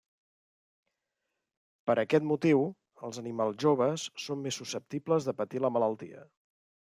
Per aquest motiu els animals joves són més susceptibles de patir la malaltia.